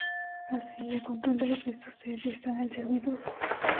Así, el control de lo que sucede está en el servidor.